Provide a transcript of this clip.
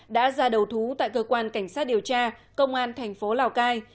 đã ra đầu thú tại cơ quan cảnh sát điều tra công an thành phố lào cai